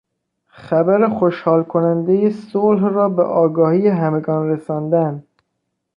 خبر خوشحال کنندهی صلح را به آگاهی همگان رساندن